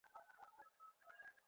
তিব্বতের লোক হাঁটু গাড়িয়া থাকে।